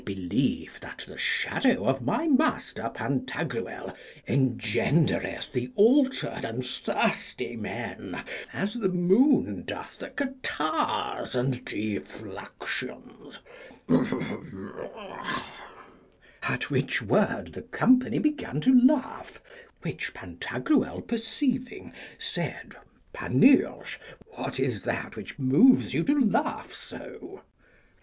I believe that the shadow of my master Pantagruel engendereth the altered and thirsty men, as the moon doth the catarrhs and defluxions. At which word the company began to laugh, which Pantagruel perceiving, said, Panurge, what is that which moves you to laugh so?